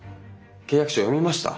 契約書読みました？